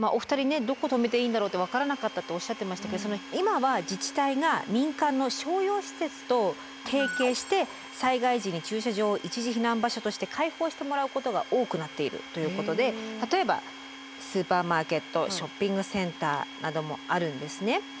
お二人ねどこ止めていいんだろうって分からなかったとおっしゃってましたけど今は自治体が民間の商用施設と提携して災害時に駐車場を一時避難場所として開放してもらうことが多くなっているということで例えばスーパーマーケットショッピングセンターなどもあるんですね。